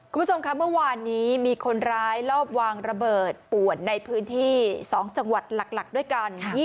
คุณผู้ชมค่ะเมื่อวานนี้มีคนร้ายลอบวางระเบิดป่วนในพื้นที่๒จังหวัดหลักด้วยกัน